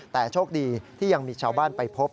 แต่โชคดีที่ยังมีชาวบ้านไปพบ